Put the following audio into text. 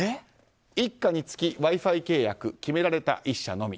一家につきＷｉ‐Ｆｉ契約決められた１社のみ。